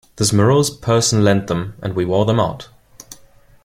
This morose person lent them, and we wore them out.